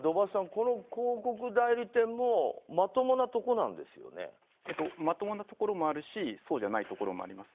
この広告代理店もまともなところもあるしそうじゃないところもあります。